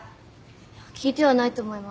いや聞いてはないと思います。